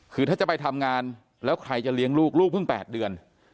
คือถ้าจะไปทำงานแล้วใครจะเลี้ยงลูกลูกเพิ่ง๘เดือน